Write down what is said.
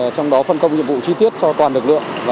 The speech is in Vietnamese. trong đó phân công nhiệm vụ chi tiết cho toàn lực lượng